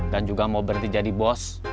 dan juga mau berhenti jadi bos